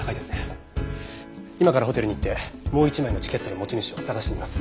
今からホテルに行ってもう一枚のチケットの持ち主を捜してみます。